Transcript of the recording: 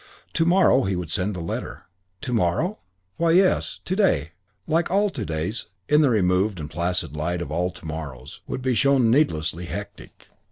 To morrow he would send the letter. To morrow? Why, yes, to day, like all to days in the removed and placid light of all to morrows, would be shown needlessly hectic.